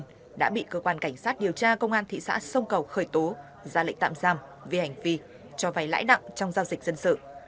trần khánh quang đã bị cơ quan cảnh sát điều tra công an thị xã sông cầu khởi tố ra lệnh tạm giam về hành vi cho vay lãi đặng trong giao dịch dân sự